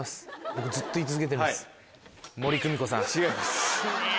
僕ずっと言い続けてるんです。